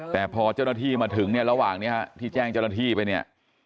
แต่พอเจ้าหน้าที่มาถึงเนี่ยระหว่างนี้ที่แจ้งเจ้าหน้าที่ไปเนี่ย